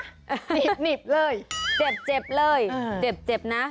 หนีบเลยเจ็บเลยเจ็บนะ